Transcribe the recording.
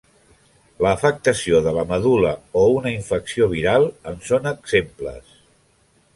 L'afectació de la medul·la o una infecció viral en són exemples.